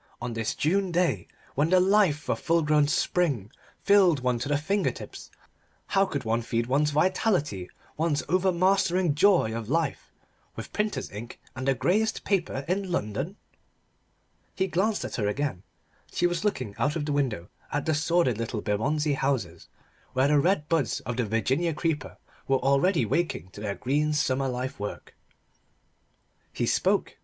On this June day, when the life of full grown spring thrilled one to the finger tips, how could one feed one's vitality, one's over mastering joy of life, with printer's ink and the greyest paper in London? He glanced at her again. She was looking out of the window at the sordid little Bermondsey houses, where the red buds of the Virginia creeper were already waking to their green summer life work. He spoke.